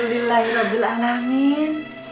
alhamdulillah ya rabbu'l alamin